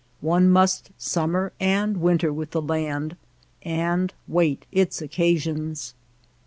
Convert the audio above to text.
One must summer and winter with the land and wait its occasions.